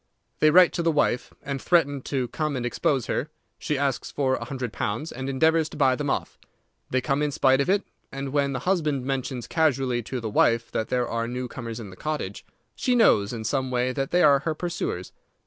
They write to the wife, and threaten to come and expose her. She asks for a hundred pounds, and endeavours to buy them off. They come in spite of it, and when the husband mentions casually to the wife that there are new comers in the cottage, she knows in some way that they are her pursuers.